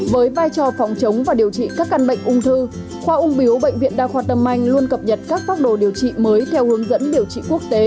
với vai trò phòng chống và điều trị các căn bệnh ung thư khoa ung biểu bệnh viện đa khoa tâm anh luôn cập nhật các pháp đồ điều trị